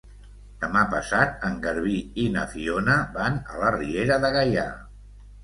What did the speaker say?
Demà passat en Garbí i na Fiona van a la Riera de Gaià.